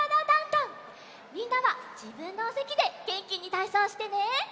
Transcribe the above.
みんなはじぶんのおせきでげんきにたいそうしてね。